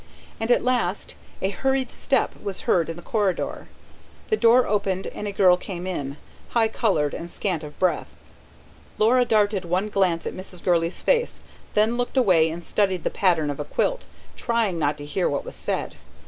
And at last a hurried step was heard in the corridor, the door opened and a girl came in, high coloured and scant of breath. Laura darted one glance at Mrs. Gurley's face, then looked away and studied the pattern of a quilt, trying not to hear what was said.